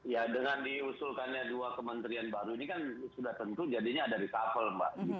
ya dengan diusulkannya dua kementerian baru ini kan sudah tentu jadinya ada reshuffle mbak